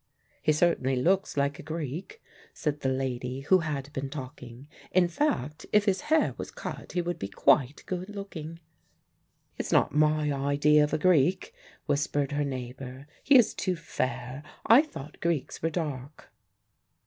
"He certainly looks like a Greek," said the lady who had been talking; "in fact if his hair was cut he would be quite good looking." "It's not my idea of a Greek," whispered her neighbour. "He is too fair. I thought Greeks were dark."